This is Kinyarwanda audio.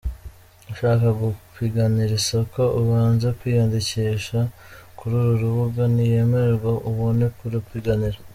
Ushaka gupiganira isoko abanze kwiyandikisha kuri uru rubuga, niyemerwa abone kuripiganira.